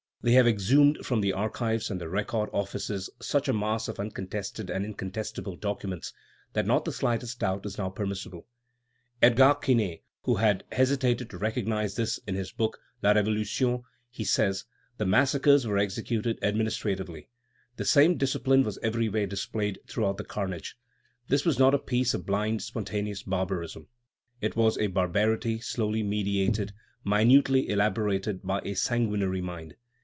They have exhumed from the archives and the record offices such a mass of uncontested and incontestable documents, that not the slightest doubt is now permissible. Edgar Quinet has not hesitated to recognize this in his book, La Révolution. He says: "The massacres were executed administratively; the same discipline was everywhere displayed throughout the carnage.... This was not a piece of blind, spontaneous barbarism; it was a barbarity slowly meditated, minutely elaborated by a sanguinary mind.